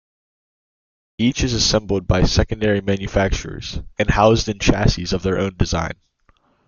Each is assembled by secondary manufacturers, and housed in chassis of their own design.